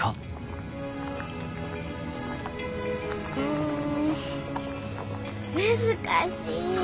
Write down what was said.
ん難しい。